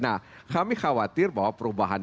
nah kami khawatir bahwa perubahan